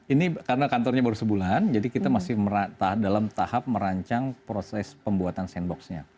ini karena kantornya baru sebulan jadi kita masih dalam tahap merancang proses pembuatan sandboxnya